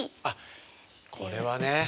あこれはね。